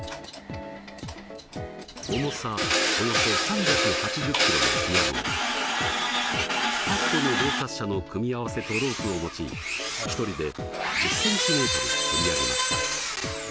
重さおよそ３８０キロのピアノを８個の動滑車の組み合わせとロープを用い１人で１０ｃｍつり上げました。